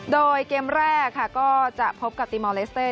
โดยเกมแรกก็จะพบกับทีมอลเลสเตอร์